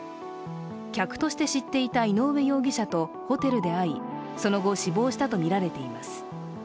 客として知っていた井上容疑者とホテルで会い、その後、死亡したとみられています